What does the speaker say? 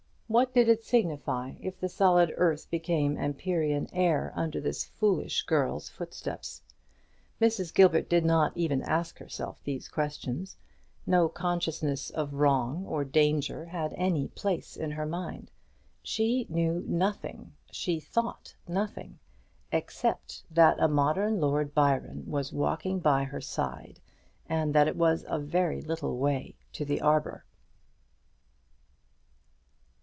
What did it signify if the solid earth became empyrean air under this foolish girl's footsteps? Mrs. Gilbert did not even ask herself these questions. No consciousness of wrong or danger had any place in her mind. She knew nothing, she thought nothing; except that a modern Lord Byron was walking by her side, and that it was a very little way to the arbour.